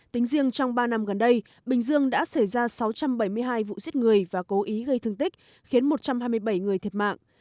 tính riêng trong ba năm gần đây bình dương đã xảy ra sáu trăm bảy mươi hai vụ giết người và cố ý gây thương tích khiến một trăm hai mươi bảy người thiệt mạng